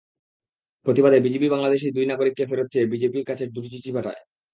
প্রতিবাদে বিজিবি বাংলাদেশি দুই নাগরিককে ফেরত চেয়ে বিজিপির কাছে দুটি চিঠি পাঠায়।